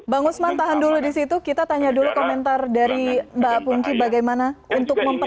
bang usman tahan dulu disitu kita tanya dulu komentar dari mbak pungki bagaimana untuk memperbaiki